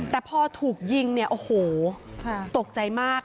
แต่พอถูกยิงเนี่ยโอ้โหตกใจมาก